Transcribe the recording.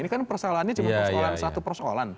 ini kan persoalannya cuma persoalan satu persoalan